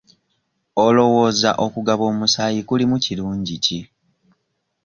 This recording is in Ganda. Olowooza okugaba omusaayi kulimu kirungi ki?